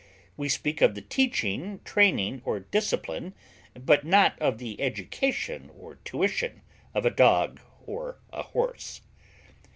We speak of the teaching, training, or discipline, but not of the education or tuition of a dog or a horse.